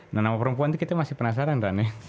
nah nama perempuan itu kita masih penasaran rame